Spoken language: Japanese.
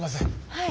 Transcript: はい。